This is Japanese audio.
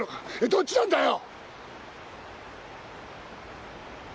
どっちなんだよ！